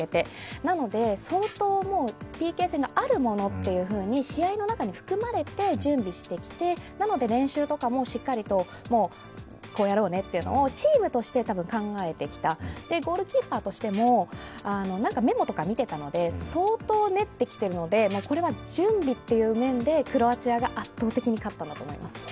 なのでもう相当ＰＫ戦があるものというふうに試合の中に含まれて準備してきて、なので練習とかもしっかりと、こうやろうねっていうのをチームとして考えてきた、ゴールキーパーとしても、メモとか見ていたので相当練ってきているので、これは準備という面でクロアチアが圧倒的に勝ったんだと思います。